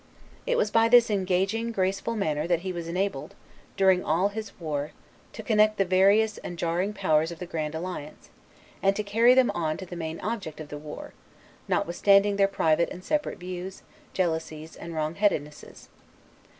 It was by this engaging, graceful manner, that he was enabled, during all his war, to connect the various and jarring powers of the Grand Alliance, and to carry them on to the main object of the war, notwithstanding their private and separate views, jealousies, and wrongheadednesses.